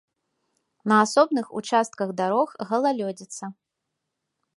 На асобных участках дарог галалёдзіца.